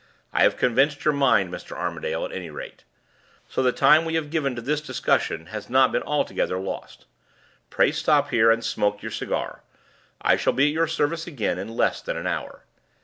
I have convinced your mind, Mr. Armadale, at any rate; so the time we have given to this discussion has not been altogether lost. Pray stop here, and smoke your cigar. I shall be at your service again in less than an hour."